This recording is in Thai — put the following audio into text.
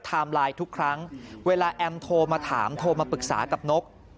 ไลน์ทุกครั้งเวลาแอมโทรมาถามโทรมาปรึกษากับนก